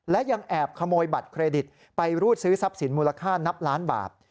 และยังแอบขโมยบัตรเครดิตไปรูดซื้อทรัพย์สินมูลค่านับล้านบาท